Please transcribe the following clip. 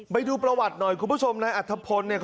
ไปดูประวัติหน่อยคุณผู้ชมนายอัธพลเนี่ย